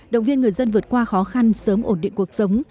động viên người dân vượt qua khó khăn sớm ổn định cuộc sống